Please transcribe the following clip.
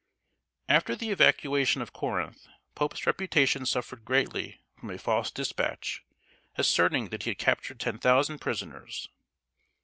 "] After the evacuation of Corinth, Pope's reputation suffered greatly from a false dispatch, asserting that he had captured ten thousand prisoners.